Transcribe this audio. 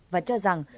và cho rằng